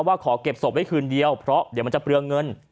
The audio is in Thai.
ว่าขอเก็บศพไว้คืนเดียวเพราะเดี๋ยวมันจะเปลืองเงิน